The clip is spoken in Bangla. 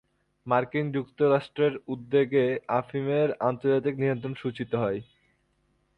মার্কিন যুক্তরাষ্ট্রের উদ্যোগে আফিমের আন্তর্জাতিক নিয়ন্ত্রণ সূচিত হয়।